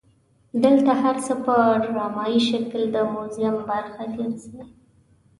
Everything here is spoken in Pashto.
دلته هر څه په ډرامایي شکل د موزیم برخه ګرځي.